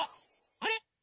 あれ？